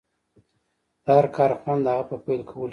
د هر کار خوند د هغه په پيل کولو کې دی.